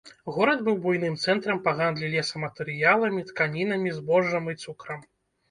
Горад быў буйным цэнтрам па гандлі лесаматэрыяламі, тканінамі, збожжам і цукрам.